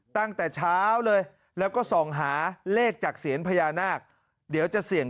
ตั้งแต่เช้าเลยแล้วก็ส่องหาเลขจากเสียญพญานาคเดี๋ยวจะเสี่ยง